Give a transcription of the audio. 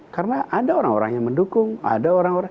karena ada orang orang yang mendukung